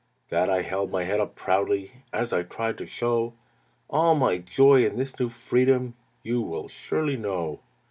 "That I held my head up proudly As I tried to show All my joy in this new freedom You will surely know.